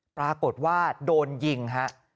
ปรากฏว่าโดนยิงฮะ